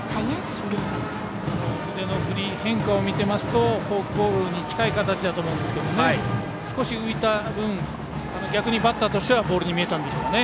腕の振り変化を見ていますとフォークボールに近い形だと思いますが少し浮いた分逆にバッターとしてはボールに見えたんでしょうかね。